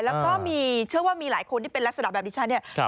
แล้วก็เชื่อว่ามีหลายคนที่เป็นลักษณะแบบนี้ใช่ไหม